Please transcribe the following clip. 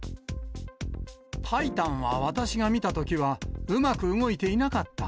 タイタンは、私が見たときはうまく動いていなかった。